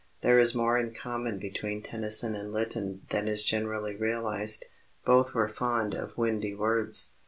There is more in common between Tennyson and Lytton than is generally realized. Both were fond of windy words.